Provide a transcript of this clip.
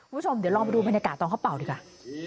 คุณผู้ชมเดี๋ยวลองไปดูบรรยากาศตอนเขาเป่าดีกว่า